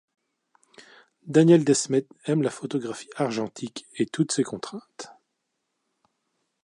Daniel Desmedt aime la photographie argentique et toutes ses contraintes.